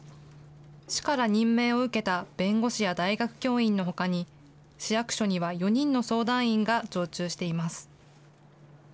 市から任命を受けた弁護士や大学教員のほかに、市役所には４人の相談員が常駐しています。